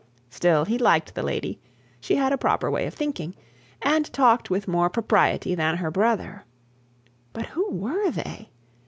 Still he liked the lady: she had a proper way of thinking, and talked with more propriety than her brother. But who were they?